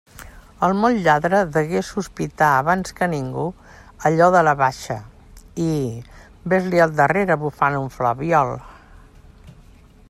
El molt lladre degué sospitar abans que ningú allò de la baixa, i... vés-li al darrere bufant un flabiol!